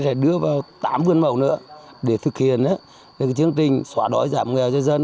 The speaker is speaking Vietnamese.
sẽ đưa vào tám vườn màu nữa để thực hiện chương trình xóa đói giảm nghèo cho dân